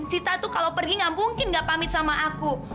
sita tuh kalau pergi gak mungkin gak pamit sama aku